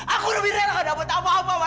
aku lebih rela nggak dapat apa apa